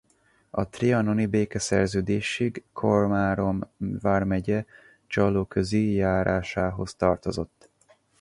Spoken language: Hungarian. A trianoni békeszerződésig Komárom vármegye Csallóközi járásához tartozott.